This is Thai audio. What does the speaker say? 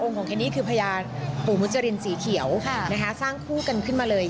ของแคนนี่คือพญาปู่มุจรินสีเขียวสร้างคู่กันขึ้นมาเลย